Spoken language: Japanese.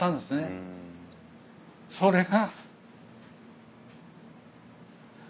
それが。